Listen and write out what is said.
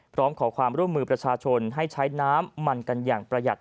พร้อมขอความร่วมมือประชาชนให้ใช้น้ำมันกันอย่างประหยัด